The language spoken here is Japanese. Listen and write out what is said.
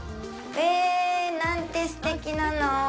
えっ、なんてすてきなの？